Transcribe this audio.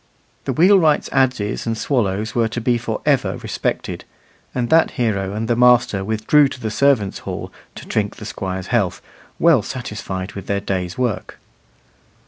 The wheelwright's adzes and swallows were to be for ever respected; and that hero and the master withdrew to the servants' hall to drink the Squire's health, well satisfied with their day's work.